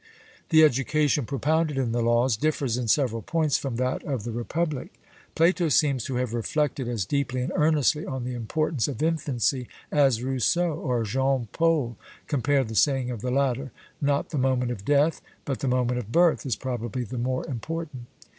The education propounded in the Laws differs in several points from that of the Republic. Plato seems to have reflected as deeply and earnestly on the importance of infancy as Rousseau, or Jean Paul (compare the saying of the latter 'Not the moment of death, but the moment of birth, is probably the more important').